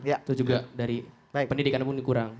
itu juga dari pendidikan pun dikurang